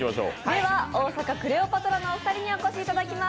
オーサカクレオパトラのお二人にお越しいただきます。